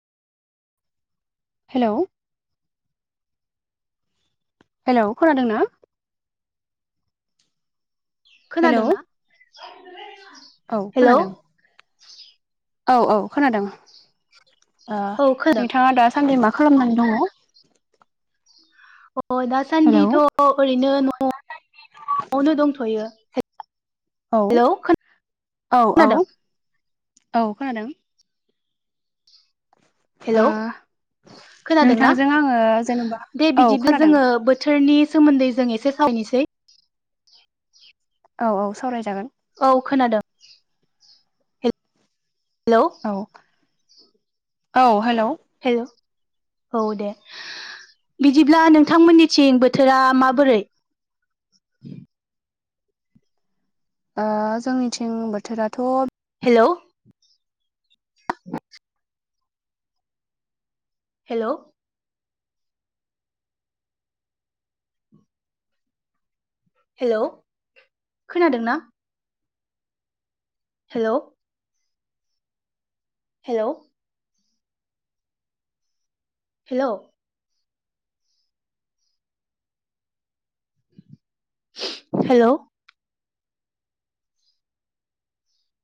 Hello. Hello खोनादों ना? Hello खोनादोंना? औ हेलौ खोनादों। औ औ खोनादों। ओ औ खोनादों नोंथाङा दासान्दि मा खालामनानै दङ? अ हेलौ दासान्दिथ' ओरैनो न' आवनो दंथ'यो। औ हेलौ औ खोनादों औ औ खोनादों। हेलौ। ओ खोनादोंना? नोंथांजों आङो जेनेबा दे औ बिदिब्ला खोनादों जोङो बोथ बोथोरनि सोमोन्दै जों एसे सायनोसै। औ औ सावरायजागोन। औ खोनादों। हेलौ। औ औ हेलौ। हेल' औ दे। बिदिब्ला नोंथां मोन्निथिं बोथोरा माबोरै? ओ जोंनिथिं बोथोराथ' हेलौ हेलौ हेलौ। खोनादों ना? हेलौ हेलौ हेल' हेल'